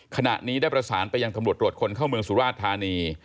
ขณะนี้ได้ประสานไปยังตำรวจตรวจคนเข้าเมืองสุราชธานี